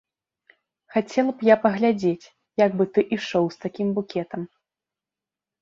Хацела б я паглядзець, як бы ты ішоў з такім букетам.